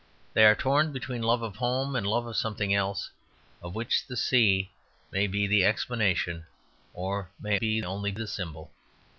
They are torn between love of home and love of something else; of which the sea may be the explanation or may be only the symbol.